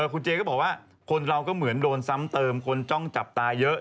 คุณเจก็บอกว่าคนเราก็เหมือนโดนซ้ำเติมคนจ้องจับตาเยอะ